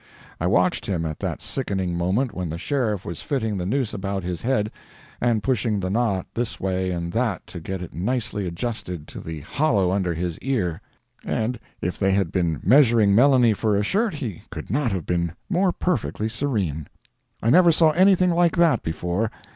I watched him at that sickening moment when the sheriff was fitting the noose about his neck, and pushing the knot this way and that to get it nicely adjusted to the hollow under his ear—and if they had been measuring Melanie for a shirt, he could not have been more perfectly serene. I never saw anything like that before.